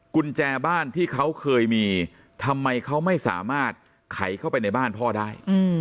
กุญแจบ้านที่เขาเคยมีทำไมเขาไม่สามารถไขเข้าไปในบ้านพ่อได้